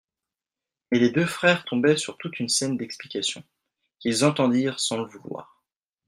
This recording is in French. Mais les deux frères tombaient sur toute une scène d'explication, qu'ils entendirent sans le vouloir.